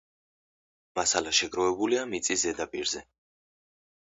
მასალა შეგროვებულია მიწის ზედაპირზე.